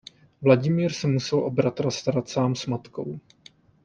Vladimír se musel o bratra starat sám s matkou.